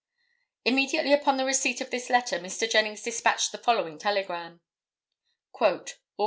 Immediately upon the receipt of this letter Mr. Jennings dispatched the following telegram: "Aug.